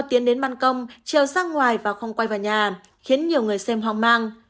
tiến đến bàn công trèo sang ngoài và không quay vào nhà khiến nhiều người xem hoang mang